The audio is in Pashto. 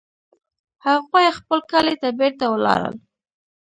هغوی خپل کلي ته بیرته ولاړل